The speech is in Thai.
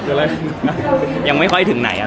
อเจมส์ออกไว้กับท่านเดิม